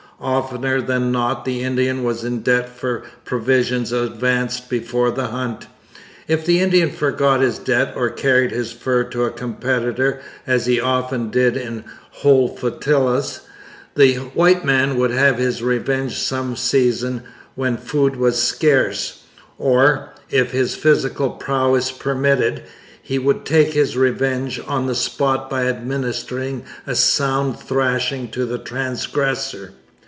Oftener than not the Indian was in debt for provisions advanced before the hunt. If the Indian forgot his debt or carried his fur to a competitor, as he often did in whole flotillas, the white man would have his revenge some season when food was scarce; or, if his physical prowess permitted, he would take his revenge on the spot by administering a sound thrashing to the transgressor.